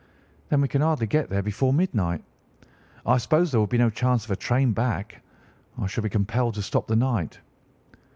"'Then we can hardly get there before midnight. I suppose there would be no chance of a train back. I should be compelled to stop the night.